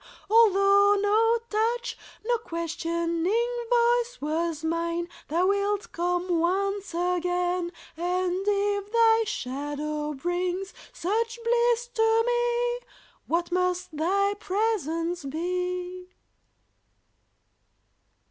Although no touch, no questioning voice was mine, Thou wilt come once again; And, if Thy shadow brings such bliss to me, What must Thy presence be?